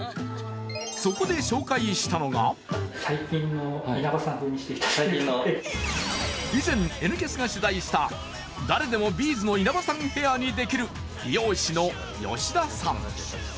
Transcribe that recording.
そこで紹介したのが以前、「Ｎキャス」が取材した誰でもＢ’ｚの稲葉さんヘアにできる美容師の吉田さん。